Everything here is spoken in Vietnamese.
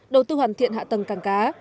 đầu tư hoàn thiện hạ tầng càng cá